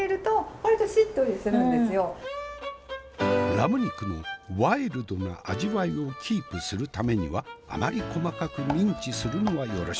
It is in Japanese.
ラム肉のワイルドな味わいをキープするためにはあまり細かくミンチするのはよろしくない。